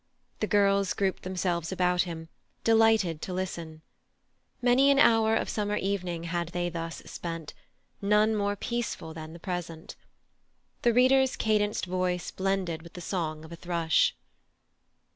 The girls grouped themselves about him, delighted to listen. Many an hour of summer evening had they thus spent, none more peaceful than the present. The reader's cadenced voice blended with the song of a thrush.